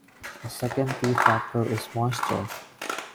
A second key factor is moisture.